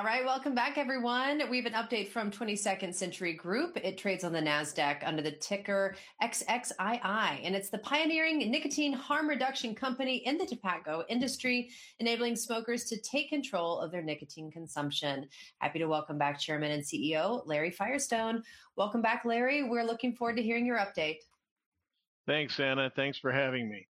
All right, welcome back, everyone. We have an update from 22nd Century Group. It trades on the NASDAQ under the ticker XXII, and it's the pioneering nicotine harm reduction company in the tobacco industry, enabling smokers to take control of their nicotine consumption. Happy to welcome back Chairman and CEO Larry Firestone. Welcome back, Larry. We're looking forward to hearing your update. Thanks, Anna. Thanks for having me.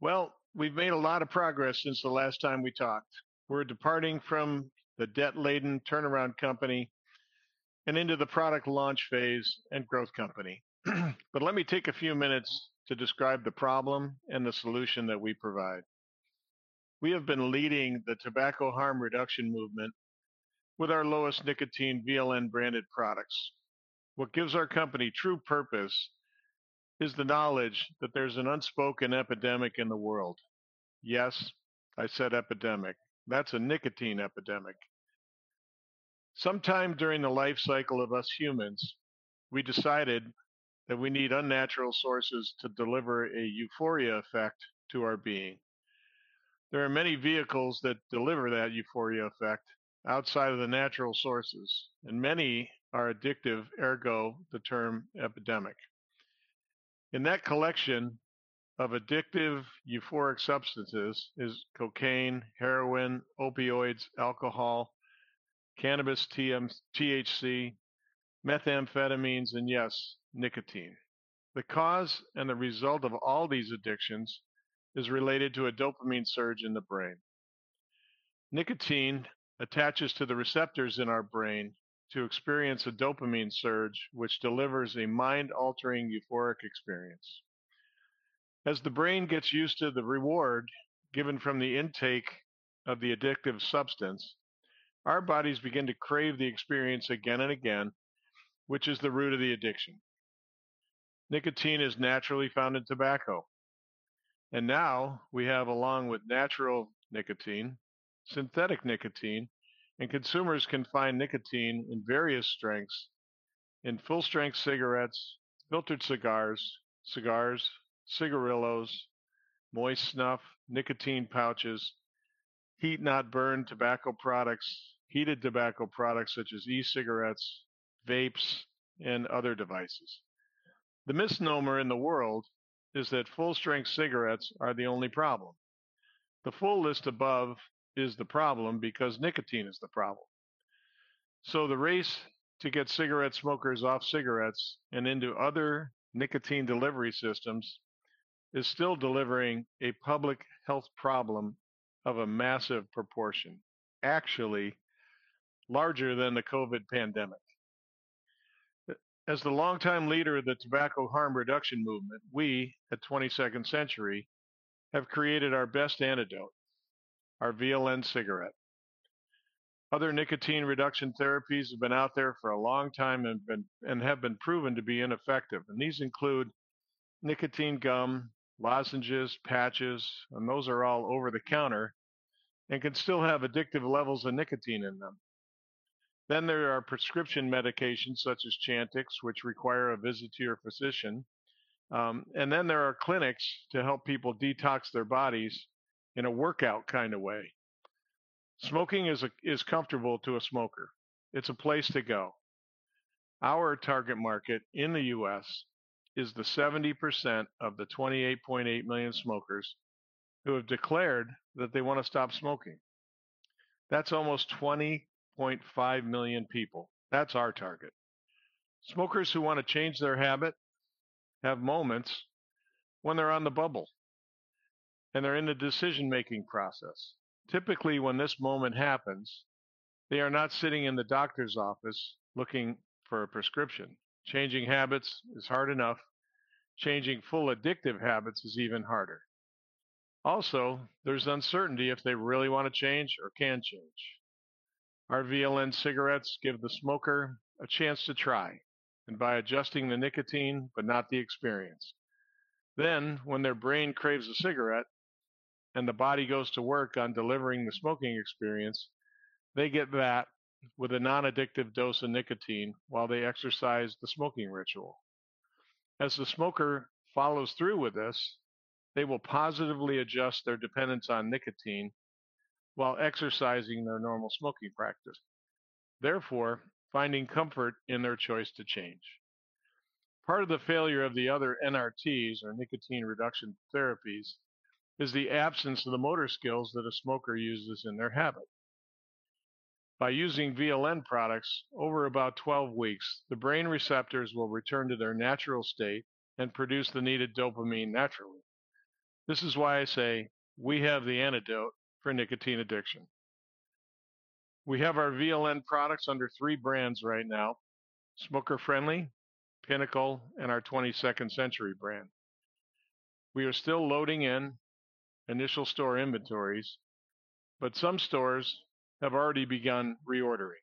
Well, we've made a lot of progress since the last time we talked. We're departing from the debt-laden turnaround company and into the product launch phase and growth company. But let me take a few minutes to describe the problem and the solution that we provide. We have been leading the tobacco harm reduction movement with our lowest nicotine VLN branded products. What gives our company true purpose is the knowledge that there's an unspoken epidemic in the world. Yes, I said epidemic. That's a nicotine epidemic. Sometime during the life cycle of us humans, we decided that we need unnatural sources to deliver a euphoria effect to our being. There are many vehicles that deliver that euphoria effect outside of the natural sources, and many are addictive, ergo the term epidemic. In that collection of addictive euphoric substances is cocaine, heroin, opioids, alcohol, cannabis, THC, methamphetamines, and yes, nicotine. The cause and the result of all these addictions is related to a dopamine surge in the brain. Nicotine attaches to the receptors in our brain to experience a dopamine surge, which delivers a mind-altering euphoric experience. As the brain gets used to the reward given from the intake of the addictive substance, our bodies begin to crave the experience again and again, which is the root of the addiction. Nicotine is naturally found in tobacco, and now we have, along with natural nicotine, synthetic nicotine, and consumers can find nicotine in various strengths in full strength cigarettes, filtered cigars, cigars, cigarillos, moist snuff, nicotine pouches, heat-not-burn tobacco products, heated tobacco products such as e-cigarettes, vapes, and other devices. The misnomer in the world is that full strength cigarettes are the only problem. The full list above is the problem because nicotine is the problem, so the race to get cigarette smokers off cigarettes and into other nicotine delivery systems is still delivering a public health problem of a massive proportion, actually larger than the COVID pandemic. As the longtime leader of the tobacco harm reduction movement, we at 22nd Century have created our best antidote, our VLN cigarette. Other nicotine reduction therapies have been out there for a long time and have been proven to be ineffective, and these include nicotine gum, lozenges, patches, and those are all over the counter and can still have addictive levels of nicotine in them, then there are prescription medications such as Chantix, which require a visit to your physician. And then there are clinics to help people detox their bodies in a workout kind of way. Smoking is comfortable to a smoker. It's a place to go. Our target market in the U.S. is the 70% of the 28.8 million smokers who have declared that they want to stop smoking. That's almost 20.5 million people. That's our target. Smokers who want to change their habit have moments when they're on the bubble and they're in the decision-making process. Typically, when this moment happens, they are not sitting in the doctor's office looking for a prescription. Changing habits is hard enough. Changing full addictive habits is even harder. Also, there's uncertainty if they really want to change or can change. Our VLN cigarettes give the smoker a chance to try and by adjusting the nicotine, but not the experience. Then when their brain craves a cigarette and the body goes to work on delivering the smoking experience, they get that with a non-addictive dose of nicotine while they exercise the smoking ritual. As the smoker follows through with this, they will positively adjust their dependence on nicotine while exercising their normal smoking practice, therefore finding comfort in their choice to change. Part of the failure of the other NRTs, or nicotine replacement therapies, is the absence of the motor skills that a smoker uses in their habit. By using VLN products over about 12 weeks, the brain receptors will return to their natural state and produce the needed dopamine naturally. This is why I say we have the antidote for nicotine addiction. We have our VLN products under three brands right now: Smoker Friendly, Pinnacle, and our 22nd Century brand. We are still loading in initial store inventories, but some stores have already begun reordering.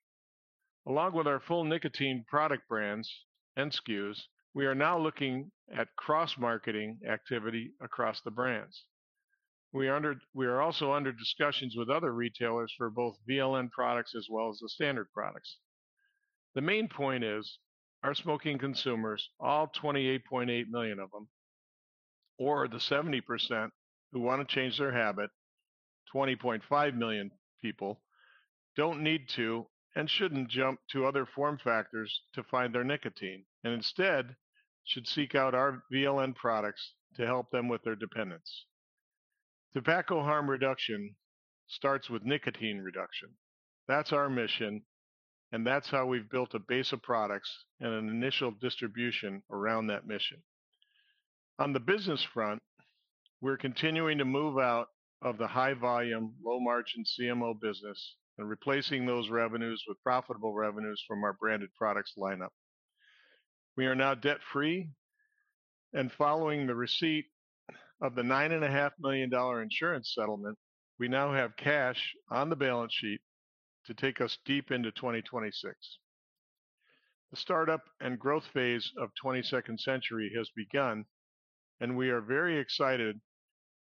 Along with our full nicotine product brands and SKUs, we are now looking at cross-marketing activity across the brands. We are also under discussions with other retailers for both VLN products as well as the standard products. The main point is our smoking consumers, all 28.8 million of them, or the 70% who want to change their habit, 20.5 million people, don't need to and shouldn't jump to other form factors to find their nicotine, and instead should seek out our VLN products to help them with their dependence. Tobacco harm reduction starts with nicotine reduction. That's our mission, and that's how we've built a base of products and an initial distribution around that mission. On the business front, we're continuing to move out of the high-volume, low-margin CMO business and replacing those revenues with profitable revenues from our branded products lineup. We are now debt-free, and following the receipt of the $9.5 million insurance settlement, we now have cash on the balance sheet to take us deep into 2026. The startup and growth phase of 22nd Century has begun, and we are very excited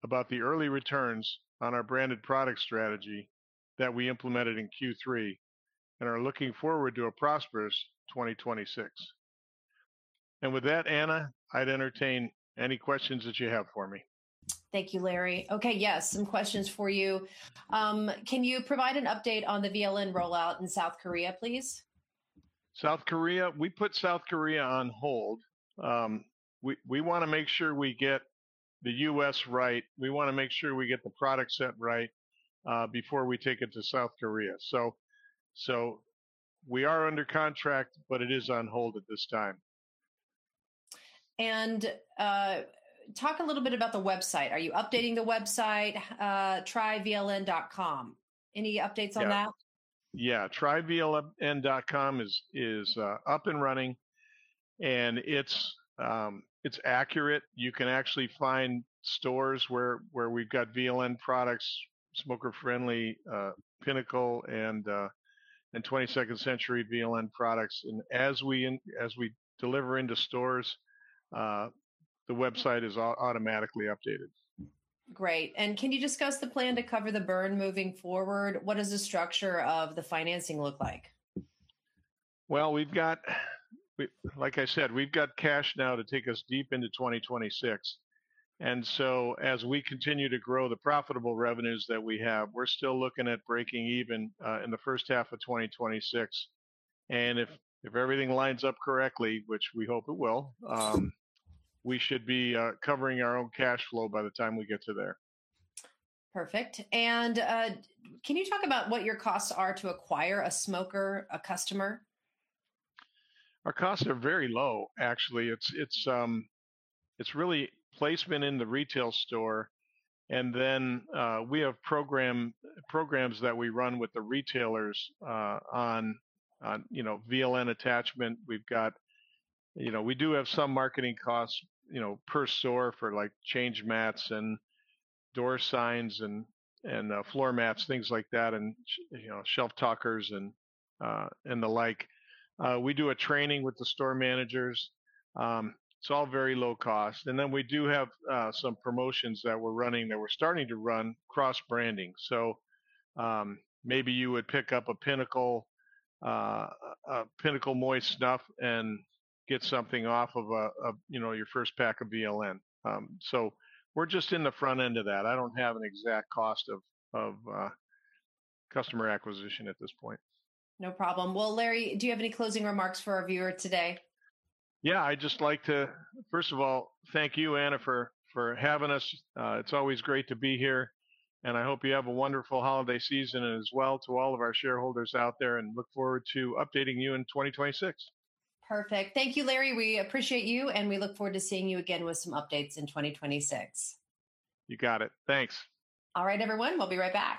about the early returns on our branded product strategy that we implemented in Q3 and are looking forward to a prosperous 2026, and with that, Anna, I'd entertain any questions that you have for me. Thank you, Larry. Okay, yes, some questions for you. Can you provide an update on the VLN rollout in South Korea, please? South Korea, we put South Korea on hold. We want to make sure we get the U.S. right. We want to make sure we get the product set right before we take it to South Korea. So we are under contract, but it is on hold at this time. And talk a little bit about the website. Are you updating the website? tryvln.com. Any updates on that? Yeah, tryvln.com is up and running, and it's accurate. You can actually find stores where we've got VLN products, Smoker Friendly, Pinnacle, and 22nd Century VLN products. And as we deliver into stores, the website is automatically updated. Great. And can you discuss the plan to cover the burn moving forward? What does the structure of the financing look like? Well, like I said, we've got cash now to take us deep into 2026. And so as we continue to grow the profitable revenues that we have, we're still looking at breaking even in the first half of 2026. And if everything lines up correctly, which we hope it will, we should be covering our own cash flow by the time we get to there. Perfect. And can you talk about what your costs are to acquire a smoker, a customer? Our costs are very low, actually. It's really placement in the retail store, and then we have programs that we run with the retailers on VLN attachment. We do have some marketing costs per store for change mats and door signs and floor mats, things like that, and shelf talkers and the like. We do a training with the store managers. It's all very low cost, and then we do have some promotions that we're running that we're starting to run, cross-branding, so maybe you would pick up a Pinnacle, a Pinnacle Moist Snuff, and get something off of your first pack of VLN, so we're just in the front end of that. I don't have an exact cost of customer acquisition at this point. No problem. Well, Larry, do you have any closing remarks for our viewer today? Yeah, I'd just like to, first of all, thank you, Anna, for having us. It's always great to be here, and I hope you have a wonderful holiday season as well to all of our shareholders out there and look forward to updating you in 2026. Perfect. Thank you, Larry. We appreciate you, and we look forward to seeing you again with some updates in 2026. You got it. Thanks. All right, everyone. We'll be right back.